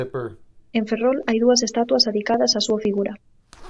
En Ferrol hai dúas estatuas adicadas á súa figura.